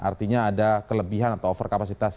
artinya ada kelebihan atau over kapasitas